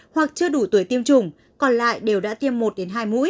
hoặc chưa đủ tuổi tiêm chủng còn lại đều đã tiêm một hai mũi